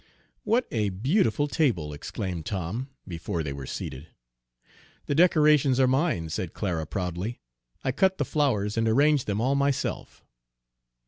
"What a beautiful table!" exclaimed Tom, before they were seated. "The decorations are mine," said Clara proudly. "I cut the flowers and arranged them all myself."